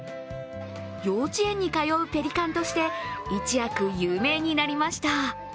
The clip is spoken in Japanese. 幼稚園に通うペリカンとして一躍有名になりました。